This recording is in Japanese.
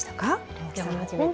青木さん初めて。